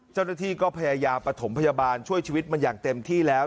เจ้าหน้าที่ก็พยายามประถมพยาบาลช่วยชีวิตมันอย่างเต็มที่แล้ว